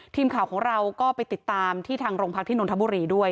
ทีมข่าวของเราก็ไปติดตามที่ทางโรงพักที่นนทบุรีด้วย